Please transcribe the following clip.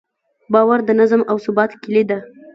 باور د نظم او ثبات کیلي ده.